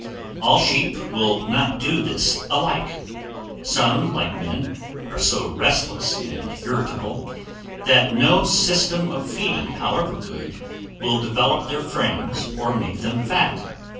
All sheep will not do this alike; some, like men, are so restless and irritable, that no system of feeding, however good, will develop their frames or make them fat.